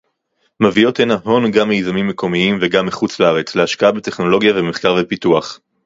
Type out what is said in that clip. מביאות הנה הון גם מיזמים מקומיים וגם מחוץ-לארץ להשקעה בטכנולוגיה ובמחקר ופיתוח